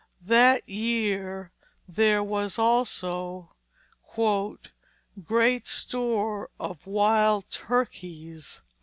That year there was also "great store of wild turkies."